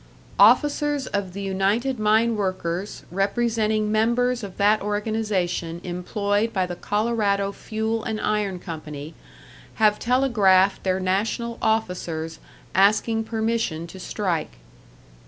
Officers of the United Mine Workers representing members of that organisation employed by the Colorado Fuel and Iron Company, have telegraphed their national officers asking permission to strike.